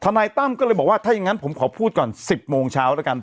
นายตั้มก็เลยบอกว่าถ้าอย่างนั้นผมขอพูดก่อน๑๐โมงเช้าแล้วกัน